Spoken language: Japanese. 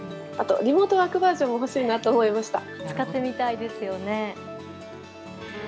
リモートワークバージョンも欲しいなと思いました。